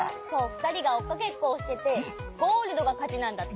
ふたりがおっかけっこをしててゴールドがかちなんだって。